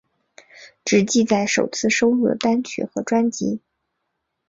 只记载首次收录的单曲和专辑。